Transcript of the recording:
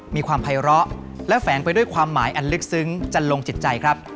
มีความภัยร้อและแฝงไปด้วยความหมายอันลึกซึ้งจันลงจิตใจครับ